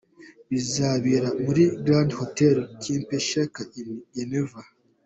Bizabera muri Grand Hotel Kempinski in Geneva.